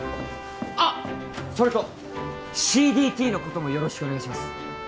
あっそれとＣＤＴのこともよろしくお願いします。